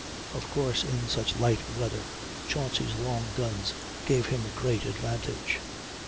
Of course in such light weather Chauncy's long guns gave him a great advantage.